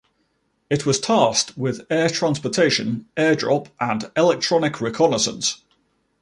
It was tasked with air transportation, airdrop and electronic reconnaissance.